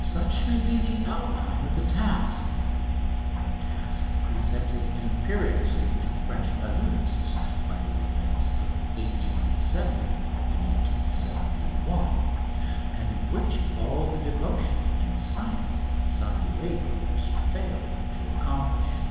Such may be the outline of the task a task presented imperiously to French balloonists by the events of 1870 1, and which all the devotion and science of the Tissandier brothers failed to accomplish.